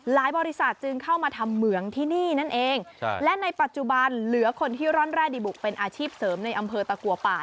บริษัทจึงเข้ามาทำเหมืองที่นี่นั่นเองและในปัจจุบันเหลือคนที่ร่อนแร่ดีบุกเป็นอาชีพเสริมในอำเภอตะกัวป่า